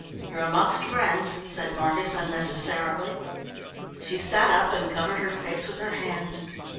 "You're amongst friends," said Marcus unnecessarily. She sat up and covered her face with her hands.